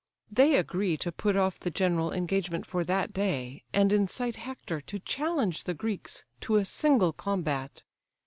They agree to put off the general engagement for that day, and incite Hector to challenge the Greeks to a single combat.